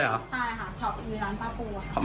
ใช่ค่ะช็อปอยู่ร้านพระปู